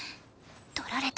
取られた！